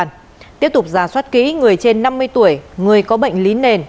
ubnd tp yêu cầu tiếp tục giả soát ký người trên năm mươi tuổi người có bệnh lý nền